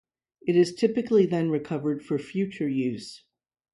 It is typically then recovered for future use.